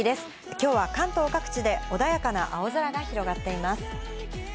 今日は関東各地で穏やかな青空が広がっています。